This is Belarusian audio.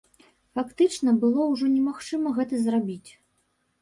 Фактычна было ўжо немагчыма гэта зрабіць.